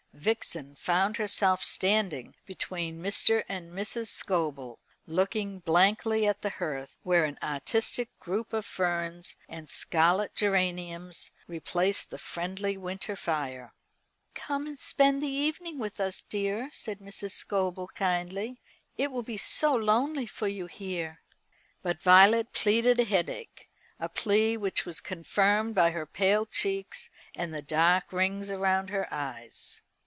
Vixen found herself standing between Mr. and Mrs. Scobel, looking blankly at the hearth, where an artistic group of ferns and scarlet geraniums replaced the friendly winter fire. "Come and spend the evening with us, dear," said Mrs. Scobel kindly; "it will be so lonely for you here." But Violet pleaded a headache, a plea which was confirmed by her pale cheeks and the dark rings round her eyes.